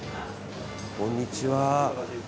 こんにちは。